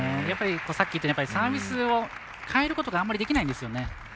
やっぱりサービスを変えることがあんまりできないんですよね。